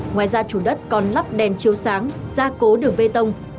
ngoài ra chủ đất còn lắp đèn chiếu sáng ra cố đường bê tông